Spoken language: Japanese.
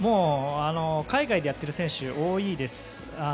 海外でやってる選手多いです。